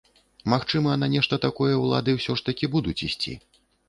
Магчыма, на нешта такое ўлады ўсё ж такі будуць ісці.